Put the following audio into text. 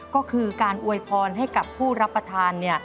ก็คือการอวยพรให้กับผู้รับประทาน